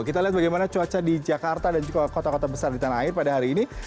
kita lihat bagaimana cuaca di jakarta dan juga kota kota besar di tanah air pada hari ini